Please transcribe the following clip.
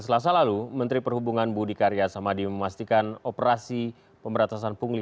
selasa lalu menteri perhubungan budi karya samadi memastikan operasi pemberatasan pungli